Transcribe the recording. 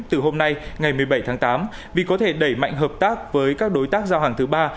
từ hôm nay ngày một mươi bảy tháng tám vì có thể đẩy mạnh hợp tác với các đối tác giao hàng thứ ba